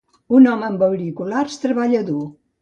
Un home amb auriculars treballa dur.